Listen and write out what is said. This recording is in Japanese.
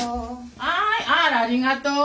あらありがとう。